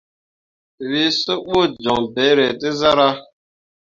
Wǝ suɓu joŋ beere te zarah.